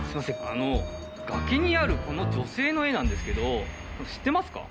あの崖にあるこの女性の絵なんですけど知ってますか？